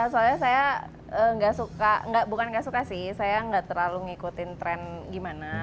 soalnya saya tidak suka bukan tidak suka sih saya tidak terlalu mengikuti tren gimana